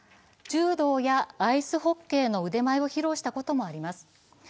柔道やアイスホッケーの腕前を披露したこともあります。